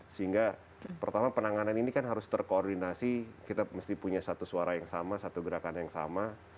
sehingga pertama penanganan ini kan harus terkoordinasi kita mesti punya satu suara yang sama satu gerakan yang sama